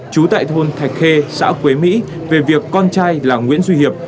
trú tại thôn thạch khê xã quế mỹ về việc con trai là nguyễn duy hiệp